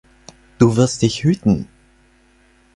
Du wirst dich hüten!